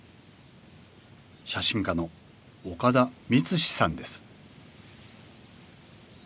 写真家の岡田光司さんです